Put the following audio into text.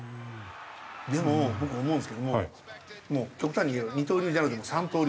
でも僕思うんですけどももう極端に言えば二刀流じゃなくて三刀流。